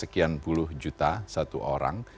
sekian puluh juta satu orang